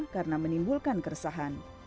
karena menimbulkan keresahan